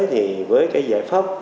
thì với cái giải pháp